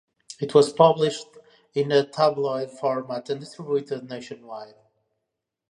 It was published in a tabloid format and distributed nationwide.